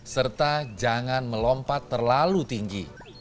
serta jangan melompat terlalu tinggi